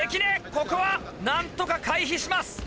ここは何とか回避します。